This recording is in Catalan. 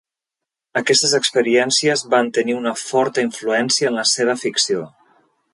Aquestes experiències van tenir una forta influència en la seva ficció.